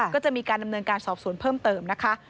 ก็จะมีการดำเนินการสอบสวนเพิ่มเติมนะคะ